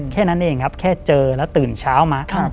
แค่นั่นเองแค่เจอน้าตื่นเช้ามา